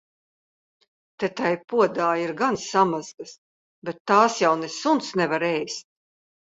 Te tai podā ir gan samazgas, bet tās jau ne suns nevar ēst.